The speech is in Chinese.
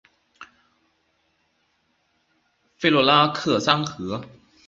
弗洛拉克三河。